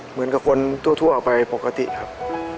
เหมือนกับคนทั่วไปปกติครับ